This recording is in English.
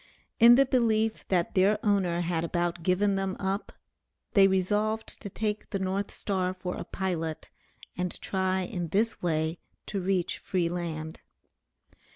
In the belief that their owner had about given them up they resolved to take the North Star for a pilot, and try in this way to reach free land.